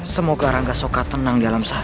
semoga rangka soka tenang di alam sana